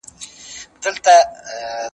هیوادونه د کډوالو په قانون کي څه بدلوي؟